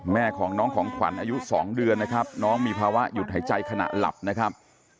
แม่ของน้องของขวัญอายุ๒เดือนนะครับน้องมีภาวะหยุดหายใจขณะหลับนะครับ